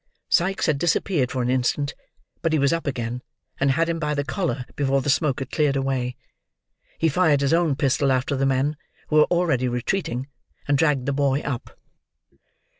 Sikes had disappeared for an instant; but he was up again, and had him by the collar before the smoke had cleared away. He fired his own pistol after the men, who were already retreating; and dragged the boy up.